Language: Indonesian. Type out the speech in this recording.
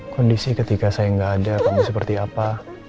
kondisi ketika saya nggak ada kamu seperti apa